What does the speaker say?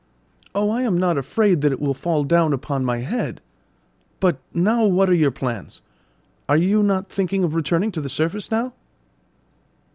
"Oh, I am not afraid that it will fall down upon my head. But now what are your plans? Are you not thinking of returning to the surface now?"